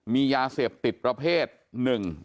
มียาเสพติดประเภทหนึ่ง